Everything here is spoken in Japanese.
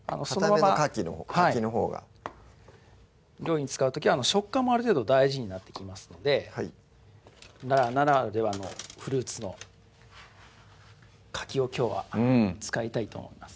ためのかきのほうが料理に使う時は食感もある程度大事になってきますので奈良ならではのフルーツのかきをきょうは使いたいと思います